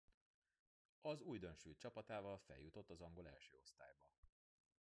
Az újdonsült csapatával feljutott az angol első osztályba.